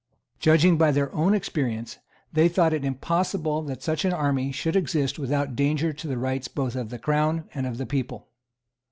Judging by their own experience, they thought it impossible that such an army should exist without danger to the rights both of the Crown and of the people.